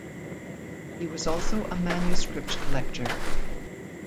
He was also a manuscript collector.